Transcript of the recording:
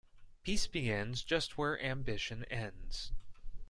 Peace begins just where ambition ends.